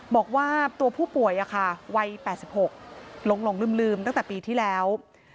บอกว่าตัวผู้ป่วยวัย๘๖หลงลืมตั้งแต่ปีที่แล้ว